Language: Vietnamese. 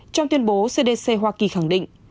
trong tuyên bố cdc hoa kỳ khẳng định